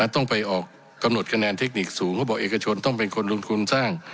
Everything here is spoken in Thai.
ต้องไปออกกำหนดคะแนนเทคนิคสูงเขาบอกเอกชนต้องเป็นคนลงทุนสร้าง